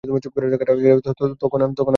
তখন আমি কী করি জানেন?